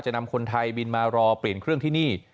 นำคนไทยบินมารอเปลี่ยนเครื่องที่นี่